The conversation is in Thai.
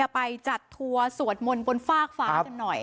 ไปจัดทัวร์สวดมนตร์บนฟากฟ้า